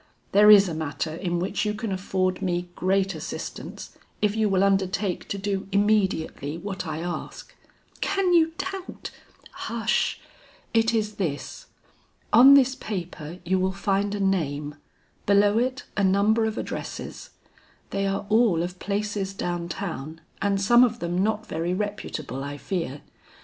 There is a matter in which you can afford me great assistance if you will undertake to do immediately what I ask." "Can you doubt " "Hush, it is this. On this paper you will find a name; below it a number of addresses. They are all of places down town and some of them not very reputable I fear.